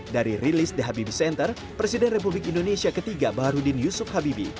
dari rilis the habibie center presiden republik indonesia ketiga baharudin yusuf habibi